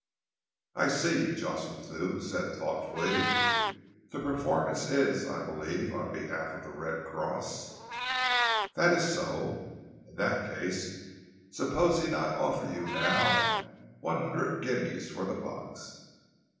"I see," Jocelyn Thew said thoughtfully. "The performance is, I believe, on behalf of the Red Cross?" "That is so." "In that case, supposing I offer you now one hundred guineas for the box?"